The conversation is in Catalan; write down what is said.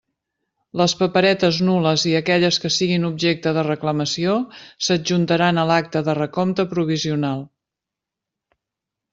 Les paperetes nul·les i aquelles que siguin objecte de reclamació s'adjuntaran a l'acta de recompte provisional.